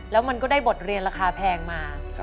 แล้วมันก็ได้บทเรียนราคาแพงมา